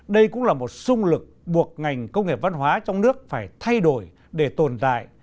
đây cũng là một sung lực buộc ngành công nghiệp văn hóa trong nước phải thay đổi để tồn tại